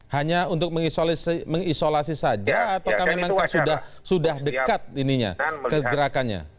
hanya untuk mengisolasi saja atau kami memang sudah dekat ke gerakannya